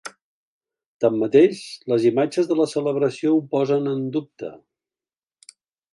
Tanmateix, les imatges de la celebració ho posen en dubte.